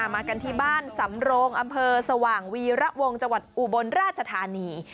มากันที่บ้านสำโรงอำเภอสว่างวีระวงจังหวัดอุบลราชธานี